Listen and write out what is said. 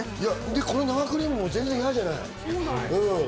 この生クリームもぜんぜん嫌じゃない。